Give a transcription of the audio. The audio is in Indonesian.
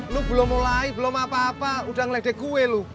lu belum mulai belum apa apa udah ngeledek kue lo